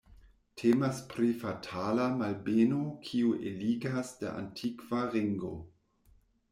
Temas pri fatala malbeno kiu eligas de antikva ringo.